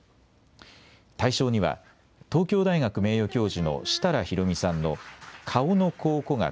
大賞には東京大学名誉教授の設楽博己さんの顔の考古学